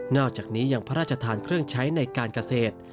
อกจากนี้ยังพระราชทานเครื่องใช้ในการเกษตร